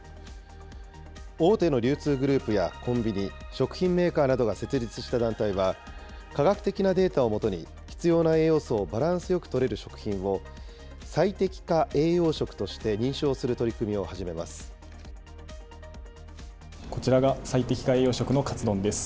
大手の流通グループやコンビニ、食品メーカーなどが設立した団体は、科学的なデータを基に、必要な栄養素をバランスよくとれる食品を最適化栄養食として認証こちらが最適化栄養食のかつ丼です。